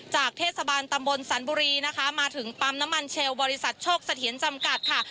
จากเทศบาลตำบลสันบุรีนะคะมาถึงปั๊มน้ำมันเชลบริษัทโชคเสถียรจำกัดค่ะ